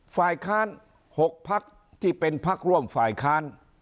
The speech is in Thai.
ฝ่ายค้าน๖พักที่เป็นพักร่วมฝ่ายค้าน